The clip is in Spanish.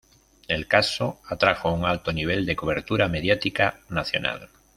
El caso atrajo un alto nivel de cobertura mediática nacional.